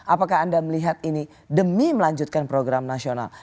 apakah anda melihat ini demi melanjutkan program nasional